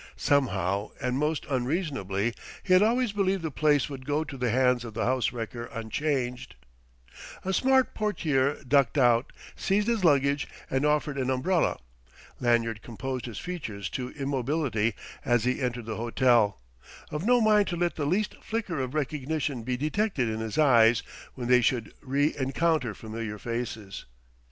Somehow, and most unreasonably, he had always believed the place would go to the hands of the house wrecker unchanged. A smart portier ducked out, seized his luggage, and offered an umbrella. Lanyard composed his features to immobility as he entered the hotel, of no mind to let the least flicker of recognition be detected in his eyes when they should re encounter familiar faces.